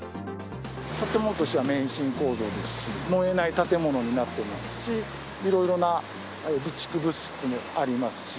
建物としては免震構造ですし、燃えない建物になってますし、いろいろな備蓄物資もありますし。